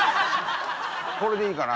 これでいいかな。